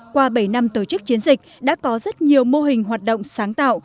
qua bảy năm tổ chức chiến dịch đã có rất nhiều mô hình hoạt động sáng tạo